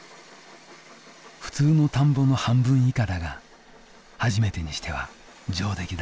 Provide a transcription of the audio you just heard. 普通の田んぼの半分以下だが初めてにしては上出来だ。